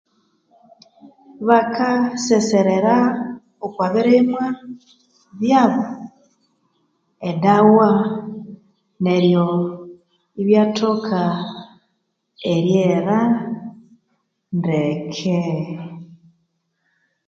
Baka ah seserera okwa birimwa byabo eddawa neryo ibyathoka eryera ndeke